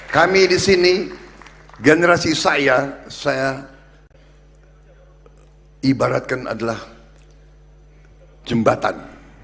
kami di sini generasi saya saya ibaratkan adalah jembatan